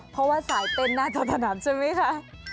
เพราะว่าสายเต้นหน้าท้องสนามใช่ไหมคะ